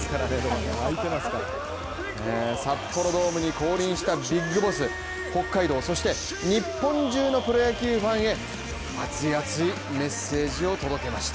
札幌ドームに降臨したビッグボス北海道そして日本じゅうのプロ野球ファンへ熱いメッセージを届けました。